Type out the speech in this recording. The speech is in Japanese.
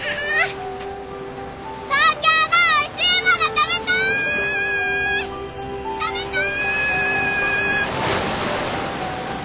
食べたい！